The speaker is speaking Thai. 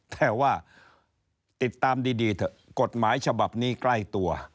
แต่ว่าติดตามดีเถอะกฎหมายฉบับนี้ใกล้ตัว